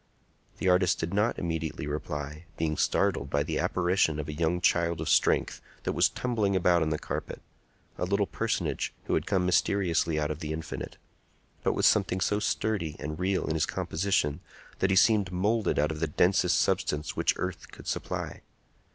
The artist did not immediately reply, being startled by the apparition of a young child of strength that was tumbling about on the carpet,—a little personage who had come mysteriously out of the infinite, but with something so sturdy and real in his composition that he seemed moulded out of the densest substance which earth could supply.